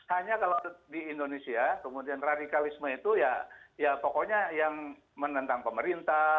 hanya kalau di indonesia kemudian radikalisme itu ya pokoknya yang menentang pemerintah